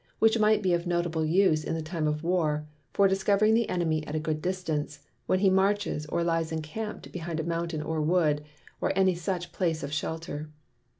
Which might be of notable use in the time of War, for discovering the Enemy at a good distance, when he marches or lyes incamp'd behind a Mountain or Wood, or any such place of shelter.